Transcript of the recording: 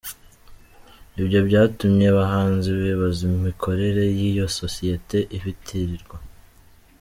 Ibyo byatumye abahanzi bibaza imikorere y’iyo sosiyete ibitirirwa.